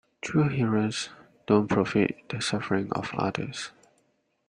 True heroes don't profit from the suffering of others.